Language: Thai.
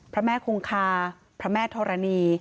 พระแม่คงคาพระแม่ธรณี